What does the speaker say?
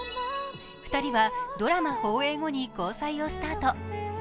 ２人はドラマ放映後に交際をスタート。